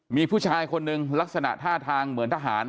มีผู้ชายคนหนึ่งลักษณะท่าทางเหมือนทหาร